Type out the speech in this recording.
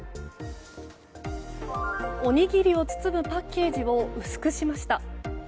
おにぎりを包むパッケージを薄くしました。